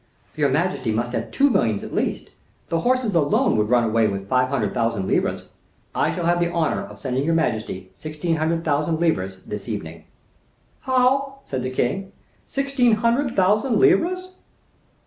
"Your majesty must have two millions at least. The horses alone would run away with five hundred thousand livres. I shall have the honor of sending your majesty sixteen hundred thousand livres this evening." "How," said the king, "sixteen hundred thousand livres?"